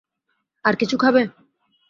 আর কিছু খাবে?